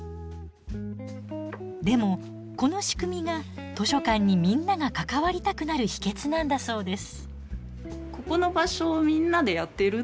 でもこの仕組みが図書館にみんなが関わりたくなる秘けつなんだそうです。